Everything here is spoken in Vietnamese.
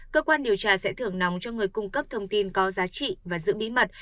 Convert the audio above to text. cơ quan điều tra sẽ thưởng nòng cho người cung cấp thông tin có giá trị và giữ bí mật